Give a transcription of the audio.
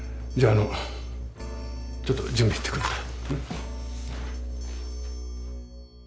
あのちょっと準備行ってくるから。